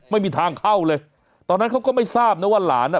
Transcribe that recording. ไม่มีทางเข้าเลยตอนนั้นเขาก็ไม่ทราบนะว่าหลานอ่ะ